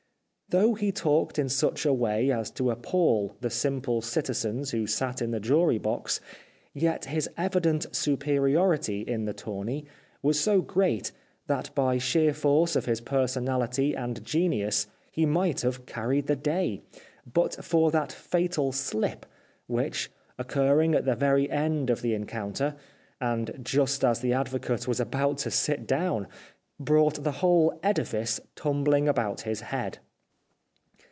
Though he talked in such a way as to appal the simple citizens who sat in the jury box, yet his evident superiority in the tourney was so great that by sheer force of his personality and genius he might have carried the day, but for that fatal slip which, occurring at the very end of the en counter, and just as the advocate was about to sit down, brought the whole edifice tumbling about his head.